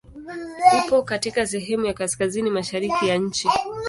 Upo katika sehemu ya kaskazini mashariki ya nchi.